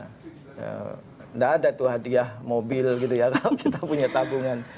tidak ada tuh hadiah mobil gitu ya kalau kita punya tabungan